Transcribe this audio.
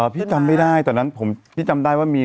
พี่จำไม่ได้ตอนนั้นพี่จำได้ว่ามี